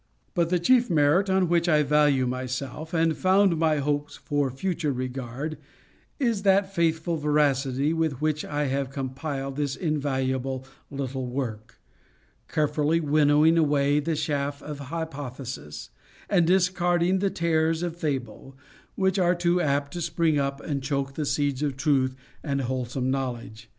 But the chief merit on which I value myself, and found my hopes for future regard, is that faithful veracity with which I have compiled this invaluable little work; carefully winnowing away the chaff of hypothesis, and discarding the tares of fable, which are too apt to spring up and choke the seeds of truth and wholesome knowledge.